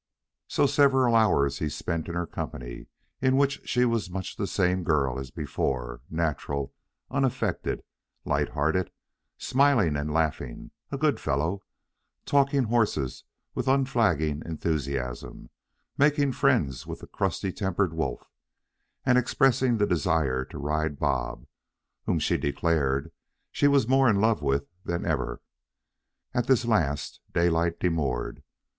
So several hours he spent in her company, in which she was much the same girl as before, natural, unaffected, lighthearted, smiling and laughing, a good fellow, talking horses with unflagging enthusiasm, making friends with the crusty tempered Wolf, and expressing the desire to ride Bob, whom she declared she was more in love with than ever. At this last Daylight demurred.